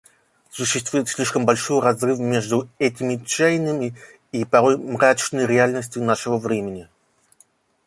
Существует слишком большой разрыв между этими чаяниями и порой мрачной реальностью нашего времени.